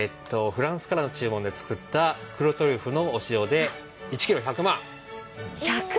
フランスからの注文で作った黒トリュフの塩で１ｋｇ１００万。